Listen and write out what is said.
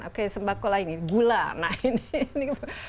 oke sembako lah ini gula nah ini